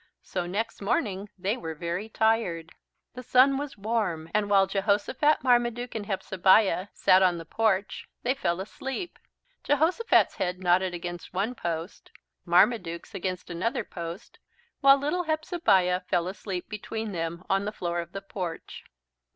So next morning they were very tired. The sun was warm and while Jehosophat, Marmaduke and Hepzebiah sat on the porch they fell asleep. Jehosophat's head nodded against one post, Marmaduke's against another post, while little Hepzebiah fell asleep between them on the floor of the porch.